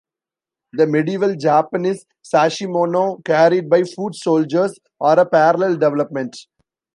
The medieval Japanese Sashimono carried by foot-soldiers are a parallel development.